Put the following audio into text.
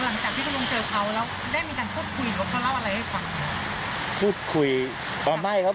หลังจากที่เขายังเจอเขาแล้วได้มีการพูดคุยหรือเขาเล่าอะไรให้ฝัง